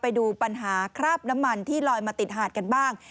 ไปดูปัญหาคราบน้ำมันที่ลอยมาติดหาดกันบ้าง